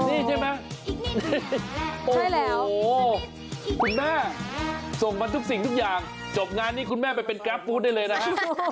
โอ้โหคุณแม่ส่งมาทุกสิ่งทุกอย่างจบงานงานที่คุณแม่ไปเป็นกราฟบูทได้เลยนะคะ